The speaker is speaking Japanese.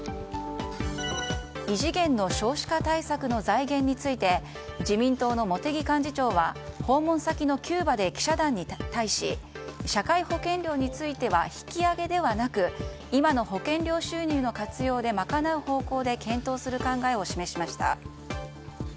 異次元の少子化対策の財源について自民党の茂木幹事長は訪問先のキューバで記者団に対し社会保険料については引き上げではなく今の保険料収入の活用で賄う方向で検討する考えを示しました。